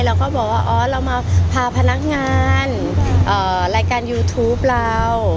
เราก็บอกว่าอ๋อเรามาพาพนักงานรายการยูทูปเรา